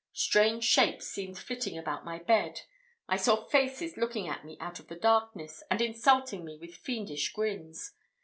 Strange shapes seemed flitting about my bed I saw faces looking at me out of the darkness, and insulting me with fiendish grins.